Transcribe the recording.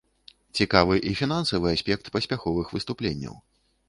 Цікавы і фінансавы аспект паспяховых выступленняў.